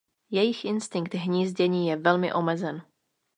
Jejich instinkt hnízdění je velmi omezen.